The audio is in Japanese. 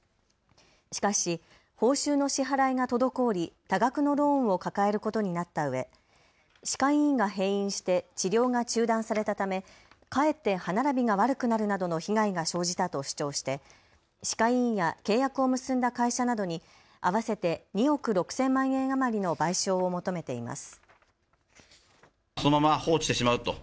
しかし報酬の支払いが滞り多額のローンを抱えることになったうえ歯科医院が閉院して治療が中断されたためかえって歯並びが悪くなるなどの被害が生じたと主張して歯科医院や契約を結んだ会社などに合わせて２億６０００万円余りの賠償を求めています。